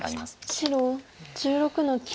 白１６の九。